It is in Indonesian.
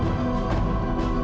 saya mau pergi